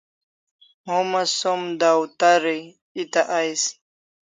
Homa som dawtarai eta ais